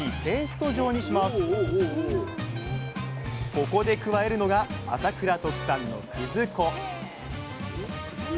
ここで加えるのが朝倉特産の葛粉